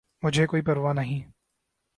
!مجھے کوئ پرواہ نہیں